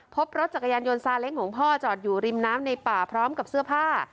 พบรถจักรยานยนต์ซาเล้งของพ่อจอดอยู่ริมน้ำในป่าพร้อมกับเสื้อผ้า